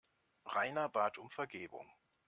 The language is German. Rainer bat um Vergebung.